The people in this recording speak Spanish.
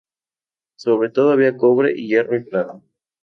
Sobre todo había cobre, hierro y plata.